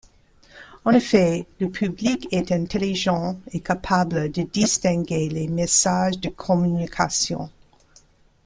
En effet, le public est intelligent et capable de distinguer les messages de communication.